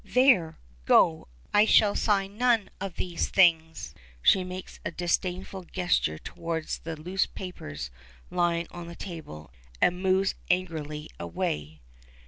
There! Go! I shall sign none of these things." She makes a disdainful gesture towards the loose papers lying on the table, and moves angrily away.